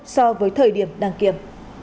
so với thời điểm đáng kiểm